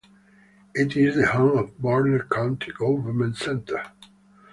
It is the home of the Burnett County Government Center.